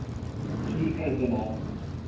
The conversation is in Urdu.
ٹھیک ہے جناب